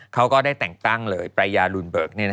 เขาก็ได้แต่งตั้งเลยปรายยาลูนเบิก